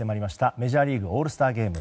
メジャーリーグオールスターゲーム。